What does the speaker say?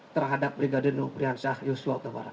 terhadap brigadir noprian syah yusyok tabarat